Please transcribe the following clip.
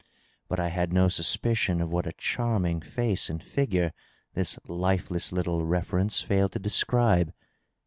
But I had no suspicion of what a charm ing face and figure this lifeless little reference failed to describe.